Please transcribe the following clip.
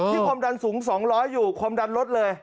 ความดันสูง๒๐๐อยู่ความดันรถเลย